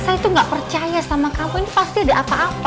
saya itu gak percaya sama kamu ini pasti ada apa apa